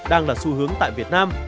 đang là xu hướng tại việt nam